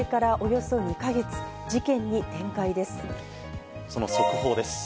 その速報です。